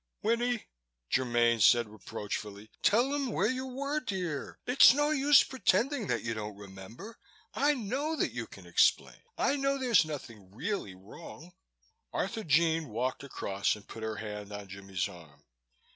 "Winnie," Germaine said reproachfully. "Tell him where you were, dear. It's no use pretending that you don't remember. I know that you can explain. I know there's nothing really wrong." Arthurjean walked across and put her hand on Jimmie's arm.